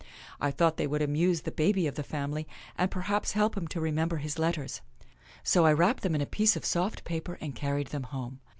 I thought they would amuse the baby of the family, and perhaps help him to remember his letters. So I wrapped them in a piece of soft paper and carried them home.